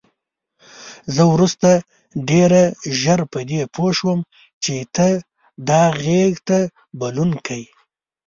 زه وروسته ډېره ژر په دې پوه شوم چې ته دا غېږ ته بلونکی.